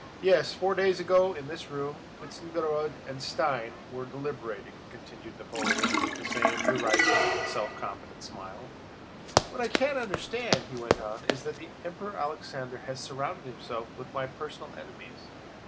"Yes. Four days ago in this room, Wintzingerode and Stein were deliberating," continued Napoleon with the same derisive and self confident smile. "What I can't understand," he went on, "is that the Emperor Alexander has surrounded himself with my personal enemies.